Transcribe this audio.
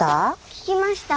聞きました。